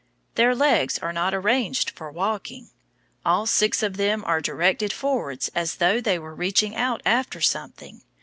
Their legs are not arranged for walking. All six of them are directed forwards as though they were reaching out after something.